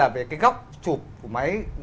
về góc chụp của máy